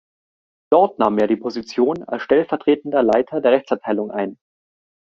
Dort nahm er die Position als stellvertretender Leiter der Rechtsabteilung ein.